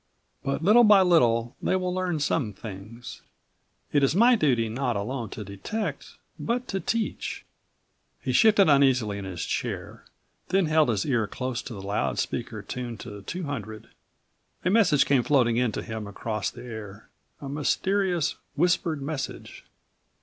But little by little they will learn some things. It is my duty not alone to detect but to teach." He shifted uneasily in his chair, then held his ear close to the loud speaker tuned to 200. A message came floating in to him across the air, a mysterious whispered message.